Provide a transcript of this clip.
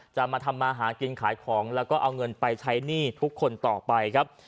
จะมาทำมาหากินขายของแล้วก็เอาเงินไปใช้หนี้ทุกคนต่อไปครับ